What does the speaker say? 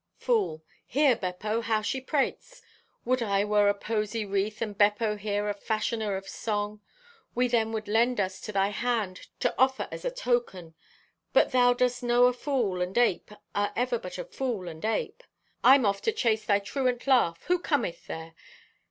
(Fool) "Hear, Beppo, how she prates! Would I were a posey wreath and Beppo here a fashioner of song. We then would lend us to thy hand to offer as a token. But thou dost know a fool and ape are ever but a fool and ape. I'm off to chase thy truant laugh. Who cometh there?